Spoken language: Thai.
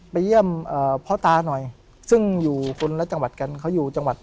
ไปเยี่ยมพ่อตาหน่อยซึ่งอยู่คนละจังหวัดกันเขาอยู่จังหวัด